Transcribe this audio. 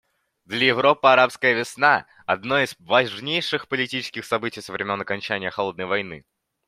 Для Европы «арабская весна» — одно из важнейших политических событий со времени окончания «холодной войны».